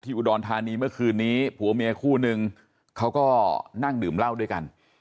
อุดรธานีเมื่อคืนนี้ผัวเมียคู่นึงเขาก็นั่งดื่มเหล้าด้วยกัน